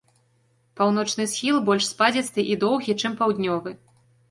Паўночны схіл больш спадзісты і доўгі, чым паўднёвы.